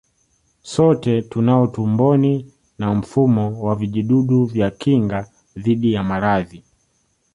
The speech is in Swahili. Sote tunao tumboni na mfumo wa vijidudu vya kinga dhidi ya maradhi